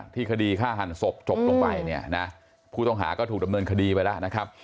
คดีฆ่าหันศพจบลงไปเนี่ยนะผู้ต้องหาก็ถูกดำเนินคดีไปแล้วนะครับ